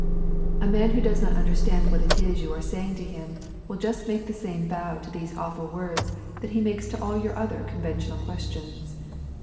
A man who does not understand what it is you are saying to him will just make the same bow to these awful words that he makes to all your other conventional questions.